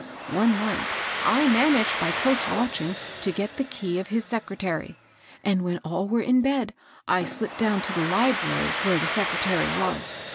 One night I managed hy close watching to get the key of his secretary ; and, when all were in bed, I slipped down to the library where the secretary was.